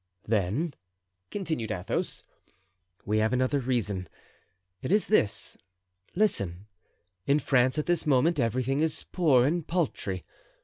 "Then," continued Athos, "we have another reason; it is this—listen: In France at this moment everything is poor and paltry.